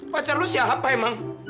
pacar lo siapa emang